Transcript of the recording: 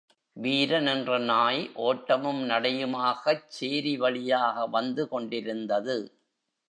வீரன் என்ற நாய் ஓட்டமும் நடையுமாகச் சேரி வழியாக வந்து கொண்டிருந்தது.